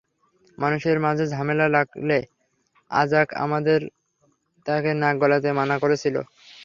মানুষের মাঝে ঝামেলা লাগলে, অ্যাজাক আমাদের তাতে নাক গলাতে মানা করেছিল।